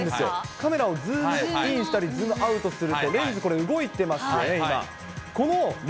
カメラをズームインしたりズームアウトすると、レンズ動いてますよね、今これ。